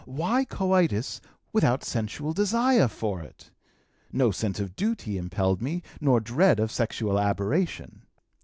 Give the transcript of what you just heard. Why coitus without sensual desire for it? No sense of duty impelled me, nor dread of sexual aberration.